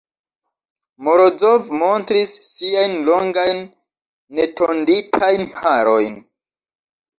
Morozov montris siajn longajn netonditajn harojn.